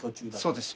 そうです。